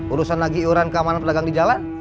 urusan lagi iuran keamanan pedagang di jalan